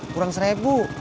kurang satu ribu